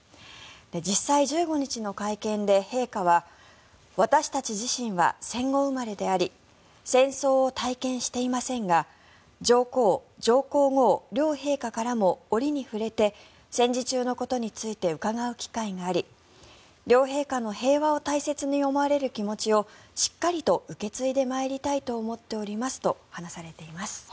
実際、１５日の会見で陛下は私たち自身は戦後生まれであり戦争を体験していませんが上皇・上皇后両陛下からも折に触れて戦時中のことについて伺う機会があり両陛下の平和を大切に思われる気持ちをしっかりと受け継いでまいりたいと思っておりますと話されています。